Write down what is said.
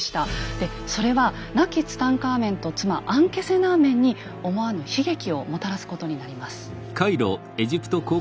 でそれは亡きツタンカーメンと妻・アンケセナーメンに思わぬ悲劇をもたらすことになります。